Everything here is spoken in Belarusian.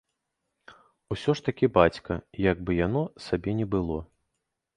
Усё ж такі бацька, як бы яно сабе ні было.